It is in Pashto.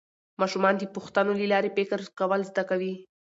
ماشومان د پوښتنو له لارې فکر کول زده کوي